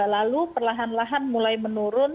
lalu perlahan lahan mulai menurun